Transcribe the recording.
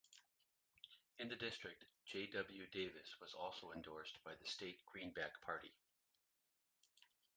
In the District, J. W. Davis was also endorsed by the state Greenback Party.